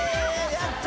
やった！